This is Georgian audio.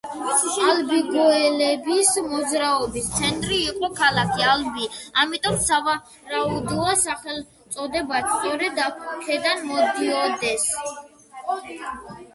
ალბიგოელების მოძრაობის ცენტრი იყო ქალაქი ალბი, ამიტომ სავარაუდოა, სახელწოდებაც სწორედ აქედან მოდიოდეს.